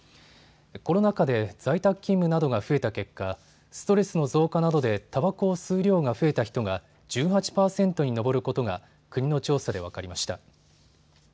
コロナ禍で在宅勤務などが増えた結果、ストレスの増加などでたばこを吸う量が増えた人が１８％に上ることが国の調査で分かりました。